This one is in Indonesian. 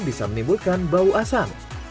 bisa menimbulkan bau asam